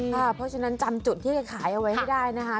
เพราะฉะนั้นจำจุดที่ขายเอาไว้ให้ได้นะคะ